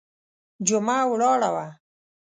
جمعه ولاړه وه.